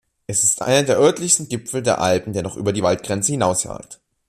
Es ist einer der östlichsten Gipfel der Alpen, der noch über die Waldgrenze hinausragt.